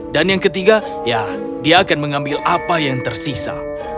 yang ketiga ya dia akan mengambil apa yang tersisa